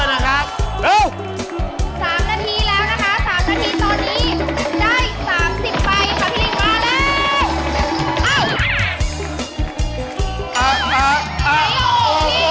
มาแล้วมาแล้วพี่ซักมาแล้วมาแล้ว